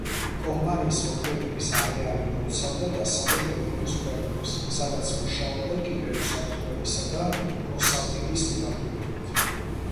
კომპანიის მოქმედების არეალი მოიცავდა დასავლეთ ევროპის ქვეყნებს, სადაც მუშაობდა კიბერ უსაფრთხოებისა და კონსალტინგის მიმართულებით.